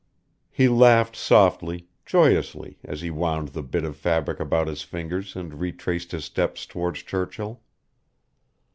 He laughed softly, joyously, as he wound the bit of fabric about his fingers and retraced his steps toward Churchill.